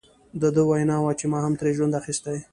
د ده وینا وه چې ما هم ترې ژوند اخیستی.